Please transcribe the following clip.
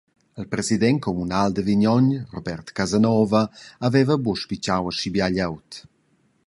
Il president communal da Vignogn, Robert Casanova, haveva buca spitgau schi bia glieud.